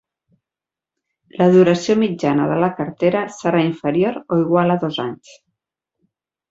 La duració mitjana de la cartera serà inferior o igual a dos anys.